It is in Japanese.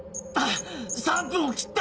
３分を切った！